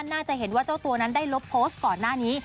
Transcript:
น่าจะเห็นว่าเจ้าตัวนั้นได้ลบโพสต์ก่อนหน้านี้